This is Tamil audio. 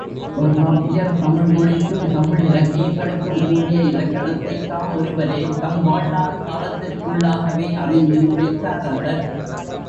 தொல்காப்பியர், தமிழ் மொழிக்கும் தமிழ் இலக்கியங்களுக்கும் கூறிய இலக்கணத்தைத் தாம் ஒருவரே, தம் வாழ்நாள் காலத்திற்குள்ளாகவே அறிந்து உரைத்தாரல்லர்.